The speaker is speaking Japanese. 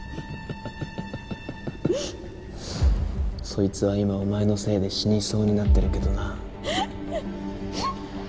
そいつは今お前のせいで死にそうになってるけどな。